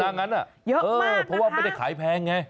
เยอะมากนะคะเพราะว่าไม่ได้ขายแพงไง